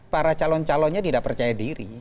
para calon calonnya tidak percaya diri